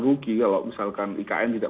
rugi kalau misalkan ikn tidak